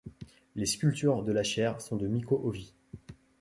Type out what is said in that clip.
Les sculptures de la chaire sont de Mikko Hovi.